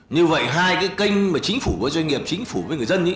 như vậy hai cái kênh chính phủ với doanh nghiệp chính phủ với người dân